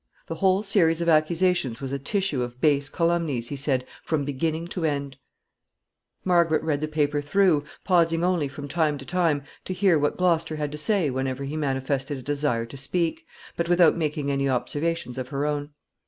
The whole series of accusations was a tissue of base calumnies, he said, from beginning to end. [Sidenote: Margaret's artful demeanor.] Margaret read the paper through, pausing only from time to time to hear what Gloucester had to say whenever he manifested a desire to speak, but without making any observations of her own.